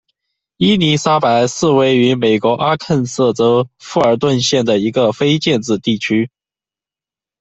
伊莉莎白是位于美国阿肯色州富尔顿县的一个非建制地区。